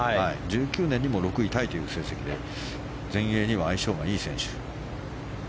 １９年にも６位タイという成績で全英には相性がいい選手。